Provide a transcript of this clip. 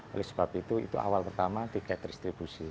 oleh sebab itu itu awal pertama tiket distribusi